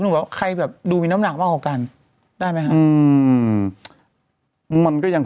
พี่หนุ่มแบบใครแบบดูมีน้ำหนักมากกว่ากันได้ไหมฮะอืมมันก็ยัง